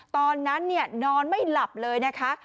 ตอนนั้นนอนไม่หลับเลยนะคะ